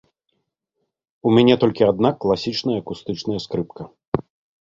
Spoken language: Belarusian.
У мяне толькі адна класічная акустычная скрыпка.